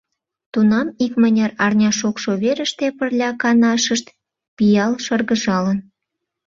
Тунам икмыняр арня шокшо верыште пырля канашышт пиал шыргыжалын.